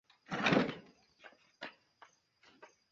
Li estas konsiderata unu de la pioniroj de la ekonomio de la bonfarto.